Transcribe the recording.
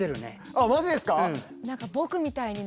あっマジですか？